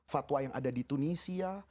fatwa yang ada di tunisia